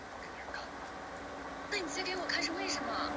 薛觉先曾于二十世纪五十年代初在妙高台四号居住了两三年。